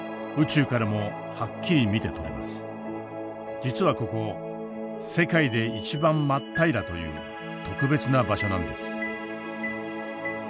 実はここ世界で一番真っ平らという特別な場所なんです。